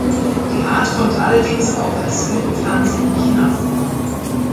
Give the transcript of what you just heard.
Die Art kommt allerdings auch als Wildpflanze in China vor.